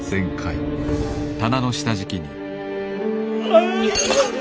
ああ！